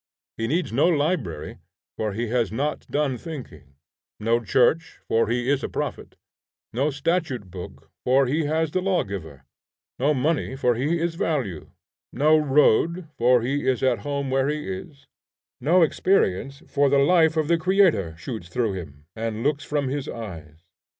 He needs no library, for he has not done thinking; no church, for he is a prophet; no statute book, for he has the lawgiver; no money, for he is value; no road, for he is at home where he is; no experience, for the life of the creator shoots through him, and looks from his eyes.